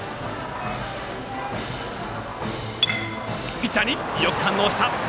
ピッチャー、よく反応した。